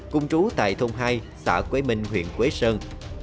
cùng trú tại thôn hai xã quế minh huyện quế sơn